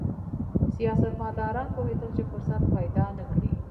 سیاستمداران پوهېدل چې فرصت پیدا نه کړي.